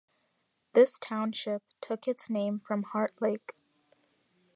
This township took its name from Hart Lake.